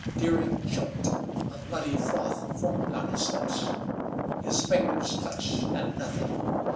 Deering choked, a bloody froth formed on his lips. His fingers clutched at nothing.